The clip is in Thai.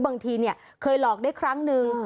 บางทีเคยหลอกได้ครั้งนึง